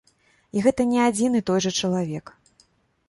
І гэта не адзін і той жа чалавек.